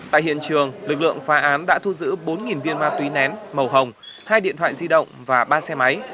tại hiện trường lực lượng phá án đã thu giữ bốn viên ma túy nén màu hồng hai điện thoại di động và ba xe máy